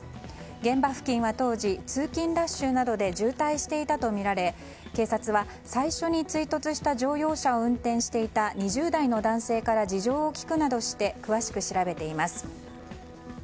現場付近は当時通勤ラッシュなどで渋滞していたとみられ警察は最初に追突した乗用車を運転していた２０代の男性から事情を聴くなどして詳しく調べています。